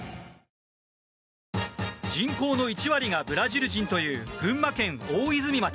人口の１割がブラジル人という群馬県大泉町。